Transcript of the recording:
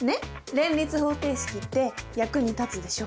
連立方程式って役に立つでしょ？